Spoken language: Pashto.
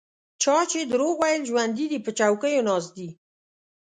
چا چې دروغ ویل ژوندي دي په چوکیو ناست دي.